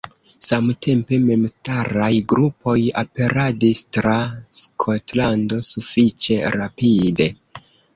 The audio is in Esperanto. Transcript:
Samtempe memstaraj grupoj aperadis tra Skotlando sufiĉe rapide.